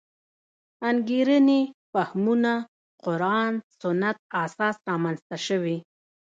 انګېرنې فهمونه قران سنت اساس رامنځته شوې.